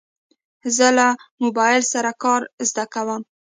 زه له موبایل سره کار زده کوم.